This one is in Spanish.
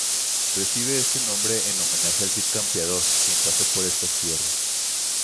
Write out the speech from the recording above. Recibe este nombre en homenaje al Cid Campeador, quien pasó por estas tierras.